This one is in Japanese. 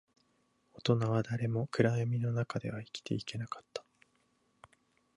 大人は誰も暗闇の中では生きていけなかった